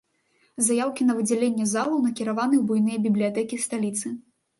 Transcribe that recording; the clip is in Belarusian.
Заяўкі на выдзяленне залаў накіраваны ў буйныя бібліятэкі сталіцы.